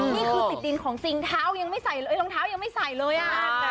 นี่คือติดดินของจริงเท้ายังไม่ใส่เลยรองเท้ายังไม่ใส่เลยอ่ะ